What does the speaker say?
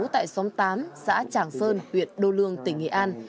tại xóm tám xã tràng sơn huyện đô lương tỉnh nghệ an